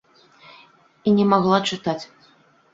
І не магла чытаць.